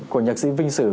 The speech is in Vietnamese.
của nhạc sĩ vinh sử